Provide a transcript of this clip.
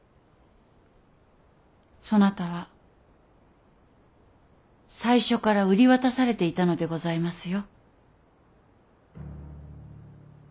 そなたは最初から売り渡されていたのでございますよ。